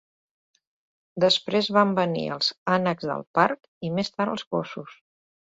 Després van venir els ànecs del parc i més tard els gossos.